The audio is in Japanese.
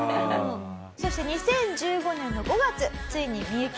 そして２０１５年の５月ついにミユキさん